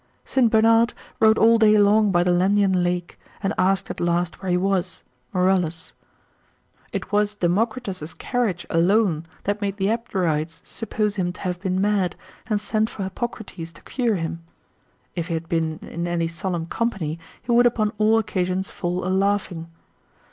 St. Bernard rode all day long by the Lemnian lake, and asked at last where he was, Marullus, lib. 2, cap. 4. It was Democritus's carriage alone that made the Abderites suppose him to have been mad, and send for Hippocrates to cure him: if he had been in any solemn company, he would upon all occasions fall a laughing.